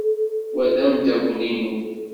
Wa d ameddakel-inu.